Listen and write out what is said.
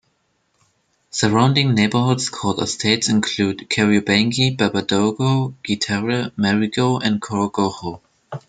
Surrounding neighbourhoods called estates include Kariobangi, Baba Dogo, Gitare Marigo and Korogocho.